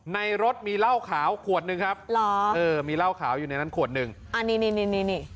ในรถมีเหล้าขาวขวดหนึ่งครับเหรอเออมีเหล้าขาวอยู่ในนั้นขวดหนึ่งอันนี้นี่นี่นี่